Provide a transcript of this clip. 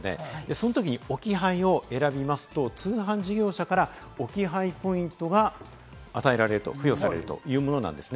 そのときに置き配を選びますと、通販事業者から置き配ポイントが与えられる、付与されるというものです。